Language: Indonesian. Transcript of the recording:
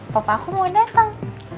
papa aku mau datang